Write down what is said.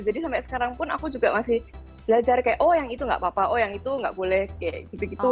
jadi sampai sekarang pun aku juga masih belajar kayak oh yang itu nggak apa apa oh yang itu nggak boleh kayak gitu gitu